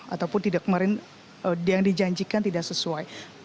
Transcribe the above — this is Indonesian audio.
ataupun tidak kemarin yang dijanjikan tidak sesuai